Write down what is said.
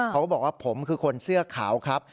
เขาบอกว่าผมคือคนเสื้อขาวครับ